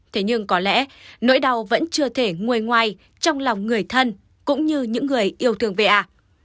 thế nhưng có lẽ nỗi đau vẫn chưa thể ngồi ngoài trong lòng người thân cũng như những người yêu thương va